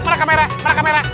marah kamera marah kamera